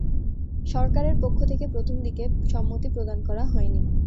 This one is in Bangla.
সরকারের পক্ষ থেকে প্রথম দিকে সম্মতি প্রদান করা হয়নি।